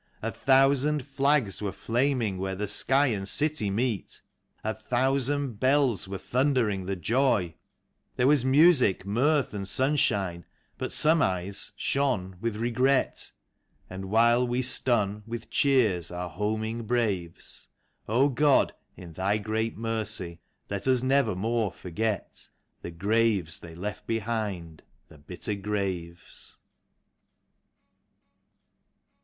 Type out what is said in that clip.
A thousand flags were flaming where the sky and city meet ; A thousand bells were thundering the joy. THE MARCH OF THE DEAD. 65 There was music, mirth and sunshine; but some eyes shone with regret: And while we stun with cheers our homing braves, God, in Thy great mercy, let us nevermore forget The graves they left behind, the bitter graves.